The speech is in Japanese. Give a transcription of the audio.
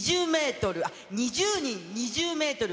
２０人２０メートル